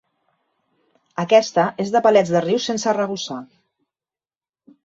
Aquesta és de palets de riu sense arrebossar.